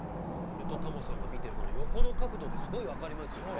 俺とタモリさんが見てるこの横の角度ですごいわかりますよね。